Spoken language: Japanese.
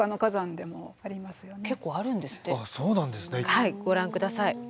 はいご覧下さい。